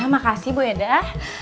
makasih bu edah